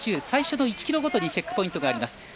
最初の１ｋｍごとにチェックポイントがあります。